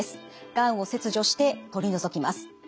がんを切除して取り除きます。